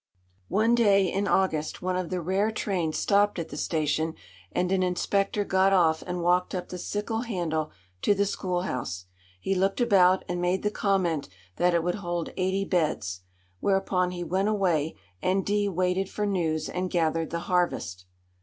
One day in August one of the rare trains stopped at the station, and an inspector got off and walked up the sickle handle to the schoolhouse. He looked about and made the comment that it would hold eighty beds. Whereupon he went away, and D waited for news and gathered the harvest.